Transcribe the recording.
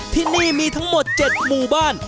ที่นี่มีทั้งหมด๗หมู่บ้าน